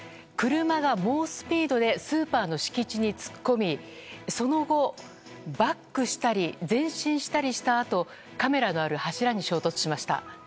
車が猛スピードでスーパーの敷地に突っ込み、その後、バックしたり前進したりしたあと、カメラがある柱に衝突しました。